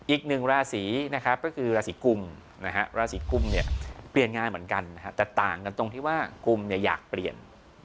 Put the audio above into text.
อีกหนึ่งราศีนะครับก็คือราศีกุมราศีกุมเนี่ยเปลี่ยนงานเหมือนกันแต่ต่างกันตรงที่ว่ากุมอยากเปลี่ยน